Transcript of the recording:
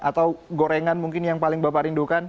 atau gorengan mungkin yang paling bapak rindukan